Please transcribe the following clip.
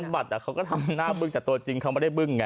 บัตรเขาก็ทำหน้าบึ้งแต่ตัวจริงเขาไม่ได้บึ้งไง